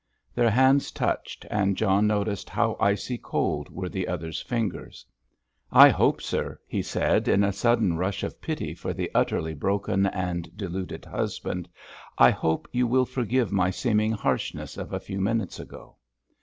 Their hands touched and John noticed how icy cold were the other's fingers. "I hope, sir," he said, in a sudden rush of pity for the utterly broken and deluded husband, "I hope you will forgive my seeming harshness of a few minutes ago."